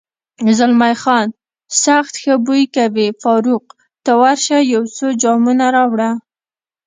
زلمی خان: سخت ښه بوی کوي، فاروق، ته ورشه یو څو جامونه راوړه.